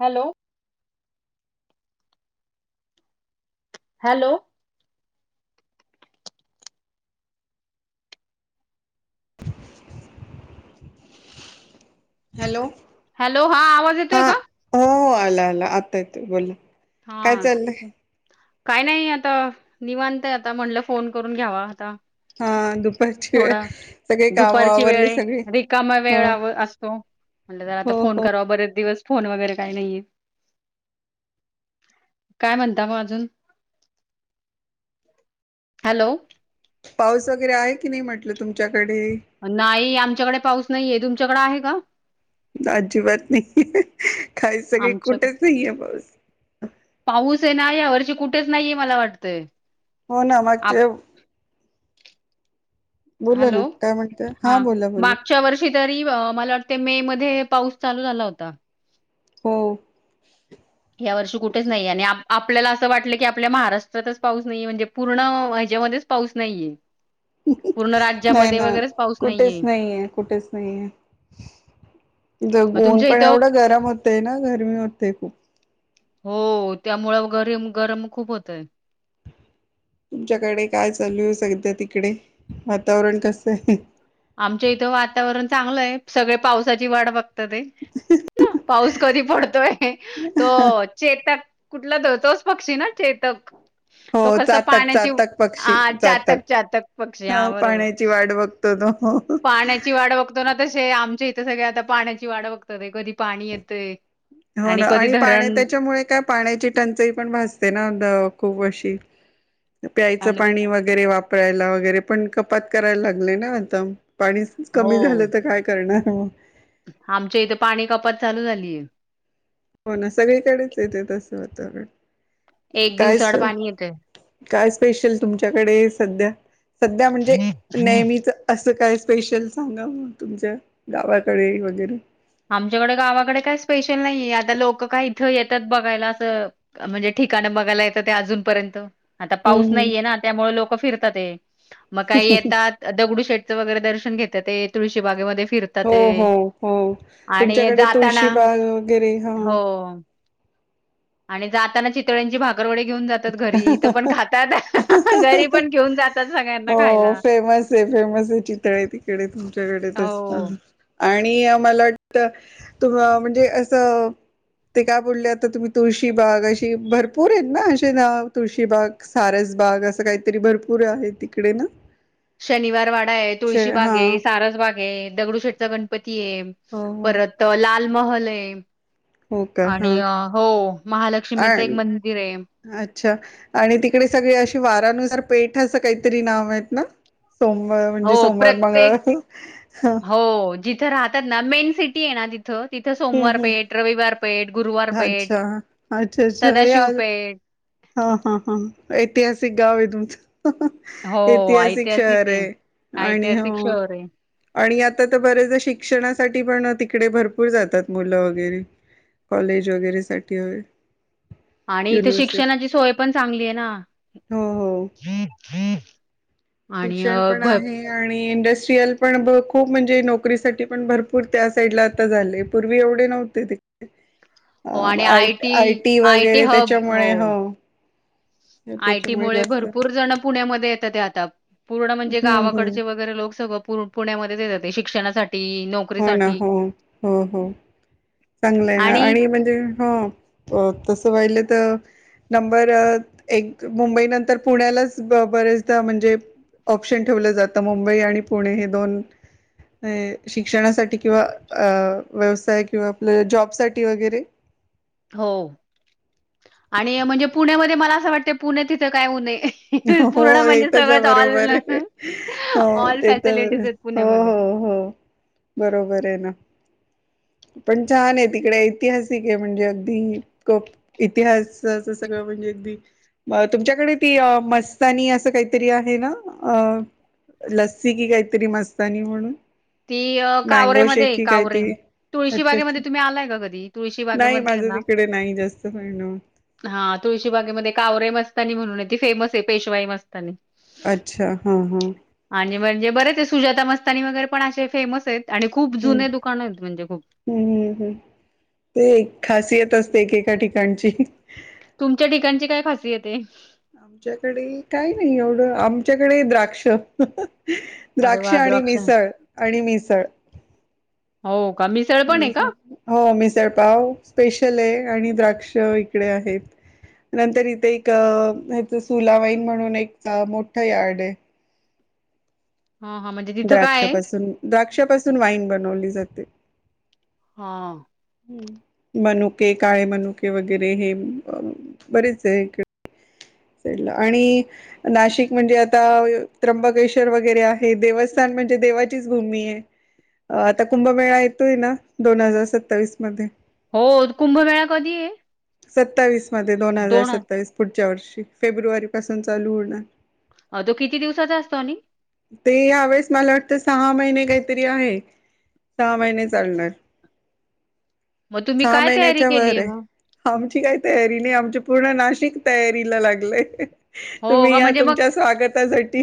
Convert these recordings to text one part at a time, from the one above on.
Hello! Hello! Hello! Hello, हा आवाज येतोय हा का? हो हो आला, आला, आता येतोय बोला. काय हा! चाललंय काय नाही आता, निवांत आता म्हणलं फोन करून घ्यावा आता. हा दुपारची वेळ थोडा सगळी काम दुपारची वेळ आवरली ऐ, सगळी रिकामा हो वेळ असतो म्हणल जरा आता हो फोन हो करावा बरेच दिवस. फोन वगैरे काही नाहीये. काय म्हणता मग अजून? हालो. पाऊस वगैरे आहे, की नाही म्हटलं तुमच्या नाही आमच्याकडे पाऊस नाहीे तुम कड आहे का? अजिबात नाही, खाय सगळे आमच्याकडे कुठेच नाही आहे पाऊस. पाऊस आहे ना या वर्षी कुठेच नाहीये मला वाटतं. होना मागच्या बोला हॅलो ना काय म्हणतय, हा बोला, बोला. मागच्या वर्षी तरी मला वाटते, मे मध्ये पाऊस चालू झाला होता. हो! या वर्षी कुठेच नाही, आणि आपल्याला असं वाटलं की आपल्या महाराष्ट्रातच पाऊस नाहीये, म्हणजे पूर्ण हच्या मध्येच पाऊस नाहीये. पूर्ण नाही राज्यामध्ये ना वगैरेच पाऊस कुठेच नाहीये, कुठेच नाहीये, द मग गोन तुमच्या पण इथं एवढं गरम होतंय, ना गरमी होतेय खूप. हो त्यामुळं गरीम, गरम, खूप होतय तुमच्याकडे काय चालू आहे, सध्या तिकडे वातावरण कस आहे? आमच्या इथं वातावरण चांगलं आहे सगळे पावसाची वाट बघ ते ना पाऊस कधी पडतोय तो चेतक कुठला द तोच पक्षी ना चेतक. तो हो कसं चातक, पाण्याची चातक, हा पक्षी चातक पक्षी हा बरोबर पाण्याची वाट बघतो तो हो. पाण्याची वाट बघतो ना! तसे आमच्या इथे सगळ आता पाण्याची वाट बघतात कधी पाणी येतय. हो ना आणि पाण्या त्याच्यामुळे काय पाण्याची टंचाई पण भासते ना खूप अशी. [inaudible] प्यायचं आणि पाणी वगैरे वापर कपडयला वगैरे पण कपात करायला लागले ना आता. पाणी हो कमी झालं तर काय करणार. हो. आमच्या इथे पाणी कपात चालू झालीय. हो ना सगळीकडेच [inaudible] एक काय दिवसाआड पाणी येतय. काय स्पेशल तुमच्याकडे सध्या सध्या म्हणजे नेहमीच असं काय. स्पेशल सांगा मग तुमच्या गावाकडे वगैरे आमच्याकडे गावाकडे काय स्पेशल नाहीये आता लोक काय इथं येतात बघायला असं म्हणजे ठिकाण बघायला येतं ते अजूनपर्यंत. आता पाऊस हम्म हम्म नाहीये ना त्यामुळे लोक फिरत ते मग काही येतात दगडू शेट. वगैरे दर्शन घेतात ते तुळशी बागेमध्ये. हो हो हो. आणि तुमच्याकडे जाताना तुळशीबाग वगैरे हा. हो [unintelligible] आणि जाताना चितळ्यांची भाका घरी पण घेऊन जातात सगळ्यांना खायला हो फेमस आहे फेमस आहे चितळे आहे तिकडे खूप च्याकडे असत. हो. आणि मला वाटत तुम म्हणजे असं ते काय बोलले आता तुम्ही तुळशी बाग अशी भरपूर आहे ना. नाव तुळशीबाग सारसबाग असं काहीतरी भरपूर आहे तिकडे ना. शनिवार वाडा आहे शे तुळशी बाग हा आहे सारस बाग आहे दगडूशेठचा गणपती आहे. हो हो परत ला लालमहल हो का हा महालक्ष्मीचं एक मंदिर आहे. अच्छा आणि तिकडे सगळी अशी वारानुसार. पेठ असं काहीतरी नाव आहेत ना. सोमवार हो म्हणजे सोमवार प्रत्येक मंगळ-हा तिथं राहतात ना मेन सिटी आहे ना तिथ- तिथं हम्म सोमार हम्म. पेट रविार पेट. अच्छा अच्छा सदाशिव अच्छा पेठ हा हा हा ऐतिहासिक गाव तुमचं हां हां ऐतिहासिक शहर आहे आणि ऐतिहासिक हो शहर आहे आणि आता तर बरेच शिक्षणासाठी पण तिकडे भरपूर जातात मुलं वगैरे कॉलेज वगैर साठी वगैरे साठी आणि इथे युनिव्हर्सिटी शिक्षणा सोय पण चांगली हो हो आणि शिक्षण अ, पण भ आहे आणि इंडस्ट [unintelligible] पण खूप म्हणजे नोकरीसाठी पण भरपूर त्या साईड ला आता झाले पूर्वी एवढे नव्हते त अ हो आणि आय आयटी वगैरे त्याच्यामुळे हो त्याच्यामुळे आयटीमुळे जास्त भरपूर जण पुण्यामध्ये येत होते आता पूर्ण म्हणजे हम्म हम्म गावाकडचे वगैरे लोक सगं पुण्यामध्येच येतात ते शिक्षणासाठी हो.. ना.. नोकरीसाठी. हो.. हो.. हो. चांगलंय ना आणि म्हणजे हो तस पाहिलं तर नंबर एक मुंबई नंतर पुण्यालाच बरेचदा म्हणजे ऑप्शन ठेवलं जातं. मुंबई आणि पुणे हे दोन हे शिक्षणासाठी किंवा अ व्यवसाय किंवा जॉबसाठी वगैरे हो आणि म्हणजे पुण्यामध्ये मला असं वाटते पुणे तिथं काय ऊने हां हां होय तुजं आहे बरोबर आहे हो ऑल ते तर फॅसिलिटीज आहेत हो.. पुण्यामध्ये. हो.. हो.. बरोबर आहे ना पण छान आहे तिकडे ऐतिहासिक आहे म्हणजे अगदी खप इतिहास अस सगळं म्हणजे अगदी तुमच्याकडे ती मस्तानी असं काहीतरी आहे ना अ लस्सी की काहीतरी मस्तानी म्हणून ती अ मँगो शेक कावरेमध्ये की कावरे काहीतरी तुळशी अच्छा बागेमध्ये अच्छा तुम्ही आलाय का कधी? तुळशी नाही बागेमध्ये माझं ना तिकडे नाही जास्त मिळणं हा तुळशी बागेमध्ये कावरे मस्तानी म्हण ते फेमस आहे पेशवाई मस्तानी अच्छा हा हा आणि म्हणजे बरेच ते सुजाता मस्त तनी वगैरे पण असे फेमस आहेत. आणि खूप हम्म जुने दुकान आहेत म्हणजे खूप हम्म हम्म हम्म ते एक खासियत असते एकेका ठिकाणची तुमच्या ठिकाणची काय खासियत आहे. आमच्याकडे काही नाही एवढं आमच्याकडे द्राक्ष अरे द्राक्ष वाह! आणि द्राक्ष मिसळ आणि मिसळ हो. का पण आहे का? मिसळ हो मिसळ पाव स्पेशल आहे. आणि द्राक्ष इकडे आहेत नंतर इथे एक ह्याच सुलावाईन म्हणून एक मोठं यार्ड आहे. हां, हां म्हणजे तिथं काय आहे? द्राक्षापासून, द्राक्षापासून वाईन बनवली जा जाते. हा. मनुके, काळे मनुके वगैरे हे बरेच आहे. आणि नाशिक म्हणजे आता त्र्यंबकेश्वर वगैरे आहे. देवस्थान म्हणजे देवाचीच भूमी आहे. आता कुंभमेळा येतोय ना दोन हजार सत्तावीस मध्ये हो कुंभमेळा कधी आहे? सत्तावीस मध्ये दोन हजार सत्तावीस पुढच्या वर्षी फेब्रुवारीपासून चालू होणार अ तो किती दिवसाचा असतो आणि? ते यावेळेस मला वाटतं सहा महिने काहीतरी आहे. सहा महिने चालणार मग तुम्ही सहा काय तयारी महिन्याच्या वर केलीये आहे. मग? हा काही तयारी नाही, आमची पूर्ण नाशिक तयारीला लाग लय. हो तुम्ही का या म्हणजे मग तुमच्या स्वागतासाठी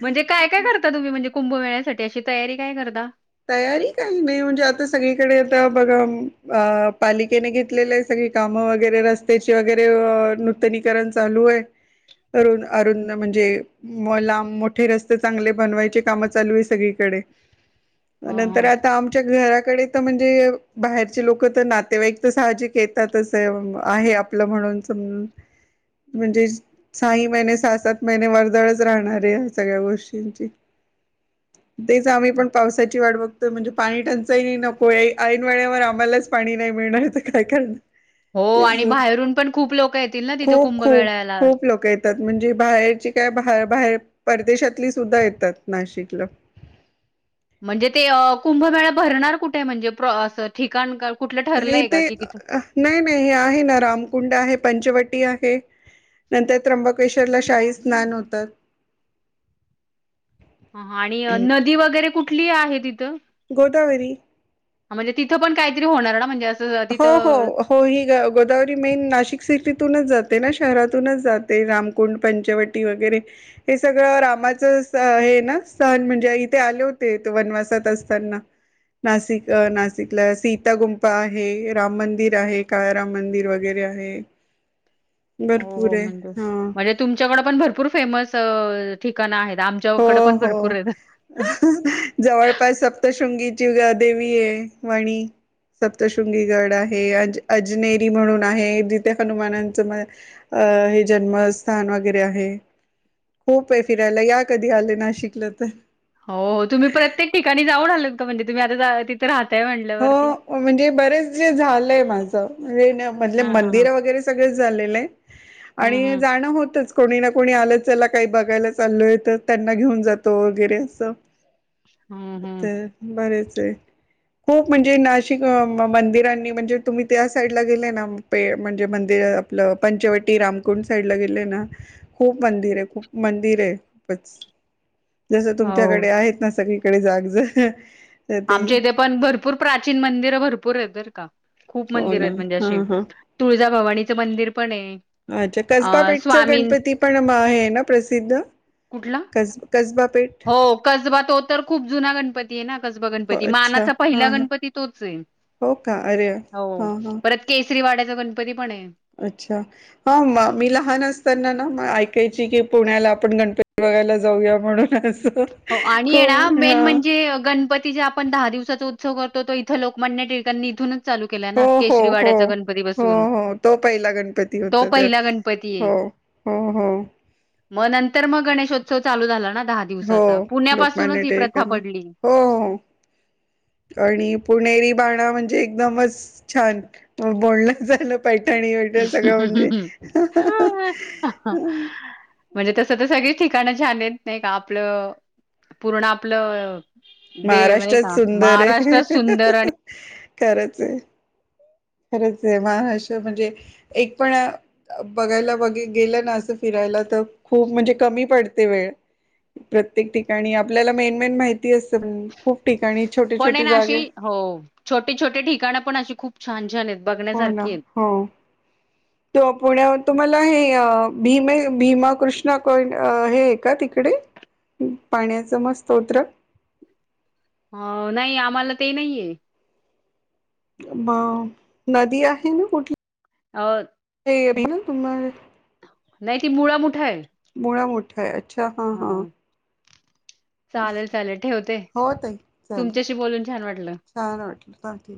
म्हणजे काय काय करता तुम्ही म्हणजे कुंभमेळ्यासाठी अशी तयारी काय करता? तयारी काही नाही म्हणजे आता सगळीकडे आता बघा अ पालिकेने घेतलेलं आहेसगळी कामं वगैरे रस्त्याची वगैरे नूतनीकरण चालू आहे, अरूद अरुद म्हणजे लांब मोठे रस्ते चांगले बनवायचे काम चालू आहे सगळीकडे. हां, नंतर हां. आता आमच्या घरात कडे तर म्हणजे बाहेरचे लोक तर नातेवाईक तर साहजिक येतातच आहे आपलं म्हणून समजून म्हणजे साही महिने सहा सात महिने वर्दळच राहणारे या सगळ्या गोष्टींची. तेच आम्ही पण पावसाची वाट बघतोय म्हणजे पाणी टंचाही नको आहे, ऐन वेळेवर आम्हालाच पाणी नाही मिळणार तर काय करणार. हो आणि बाहेरून पण खूप लोकं येतील ना तिथं खूप खूप कुंभमेळ्याला खूप लोक येतात म्हणजे बाहेरची काय बाहेर बाहेर परदेशातली सुद्धा येतात नाशिकला. म्हणजे ते कुंभमेळा भरणार कुठे? म्हणजे असं ठिकाण कुठलं ठरलंय का इथे की तिथं? नाही नाही हे आहे ना रामकुंड आहे पंचवट आहे नंतर त्र्यंबकेश्वर ला शाही स्नान होतात. ह आणि नदी वगैरे कुठे ठली आहे तिथं? गोदावरी. म्हणजे तिथं पण काहीतरी होणार ना म्हणजे अस हो हो हो ही गोदावरी मेन नाशिक सिटीतूनच जात ते ना शहरातूनच जाते, रामकुंड पंचवटी वगैरे हे सगळं रामाचं हे ना स्थन म्हणजे इथे आले होते वनवासात असताना नाशिक नाशिकला सीता गुंपा हे राम मंदिर आहे, काळ राम मंदिर वगैरे आहे. हो भरपूर हो आहे हा म्हणजे-म्हणजे तुमच्याकडे पण भरपूर फेमस ठिकाण आहेत. हो आमच्याकडे पण हो भरपूर आहेत. जवळपास सप्तशृंगी देवी आहे, वणी सप्तशृंगी गड आहे, अ अजनेरी म्हणून आहे, जिथे हनुमानांच म हे जन्मस्थान वगैरे आहे खूप आहे फिरायला या कधी आले नाशिकला तर. हो तुम्ही प्रत्येक ठिकाणी जाऊन आल. म्हणजे तुम्ही आता तिथं राह हो म्हणजे बरेच जे झालंय माझ तर. म्हणजे हां हां हां. मंदिर वगैरे सगळच झालेलं आहे, हं आणि हं. जाणं होतच, कोणी ना कोणी आलं चला काही बघायला चाललोय. आहे तर त्यांना घेऊन जातो. वगैरे असं हं हं. तर बरेच ते. खूप म्हणजे नाशिक मंदिरांनी म्हणजे तुम्ही त्या साईडला गेले ना पे म्हणजे मंदिर आपलं पंचवटी रामकुंड साईडला गेले ना खूप मंदिर आहे, खूप मंदिर आहे खूपच. जसं हो. तुमच्याकडे आहेत ना सगळी कडे जाग ज [inaudible] आमच्या इथे पण भर- पूर प्राचीन मंदिरं भरपूर आहेत तर का! खूप हो मंदिर ना आहेत म्हणजे अशी हां हां तुळजाभवानीचं मंदिर पण आहे. अच्छा कसबा अ पेठचा स्वामीं गणपती पण हे आहे. ना प्रसिद्ध? कुठला? कस कसबा पेठ हो, कसबा तो तर खूप जुना गणपती आहे ना कसबा गणपती अच्छा मानाचा हा पहिला हा गणपती तोच आहे. हो का, अरे हां हां श्रीवाड्याचा गणपती पण आहे. अच्छा, हा म मी लहान असताना ना मे ऐक के यची की पुण्याला आपण गणपती बघायला जाऊया म्हणून! हो आणि ये णा खूप हा मेन म्हणजे गणपती जे आपण दहा दिवसाचा उत्सव कर तो इथं लोकमान्य टिळकांनी इथूनच चालू केला हो, ना हो, हो केशरीवाड्याचा गणपती हो बसवून हो तो पहिला गणपती तो होता ते पहिला गणपती आहे. हो हो हो- मग नंतर मग गणेशोत्सव चालू झाला ना? दहा दिवसात- हो लोकमान्य टिळकांनी हो हो, आणि पुणेरी बाणा म्हणजे एकदमच छान बरंच झाल. पैठणी वगैरे सगळं म्हणजे हां हां हां हां म्हणजे तसं त सगळीच ठिकाणं छान आहेत. नाय का आपलं, पूर्ण आपलं देव नाही महाराष्ट्रात का सुंदर आहे. हा महाराष्ट्र हा हा सुंदर आणि हा खरंच आहे. खरंच आहे हा अश म्हणजे एक पण बघायला बघ गेलं. ना असं फिरायला तर खूप म्हणजे कमी पडते वेळ, प्रत्येक ठिकाणी आपल्याला मेन मेन माहिती असतं पण खूप ठिकाणी छोटे पण ऐ छोटे ना जागे अशी हो, छोटे छोटे ठिकाण पण अशी खूप छान झालेल. हो ना हो. तो पुण्या तुम्हाला हे भीमे भीमा कृष्णा कों हे आहे का तिकडे पाण्याच म स्तोत्र. अ, नाही आम्हाला ते नाहीये. म नदी आहे ना कुठली? [inaudible] अभिन तुमार [unintelligible] नाही, ती मुळा मुठा आहे. मुळा मोठ [inaudible] अच्छ हां हां. चालेल चालेल ठेवते, हो ताई चालेल तुमच्याशी बोलून छान वाटलं. छान वाटलं हा ठीक